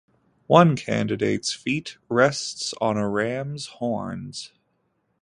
One of the candidate's feet rests on a ram's horns.